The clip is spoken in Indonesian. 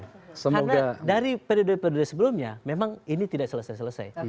karena dari periode periode sebelumnya memang ini tidak selesai selesai